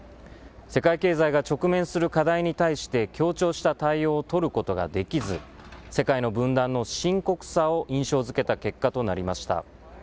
世界経済が直面する課題に対して、協調した対応を取ることができず、世界の分断の深刻さを印象づけた結果となりました。